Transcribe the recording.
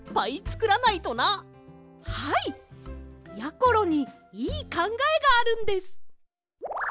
ころにいいかんがえがあるんです。